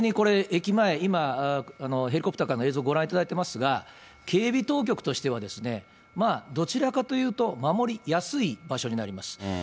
駅前、今、ヘリコプターからの映像ご覧いただいていますが、警備当局としては、どちらかというと守りやすい場所になります。